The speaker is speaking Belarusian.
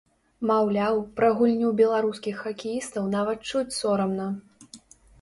Маўляў, пра гульню беларускіх хакеістаў нават чуць сорамна.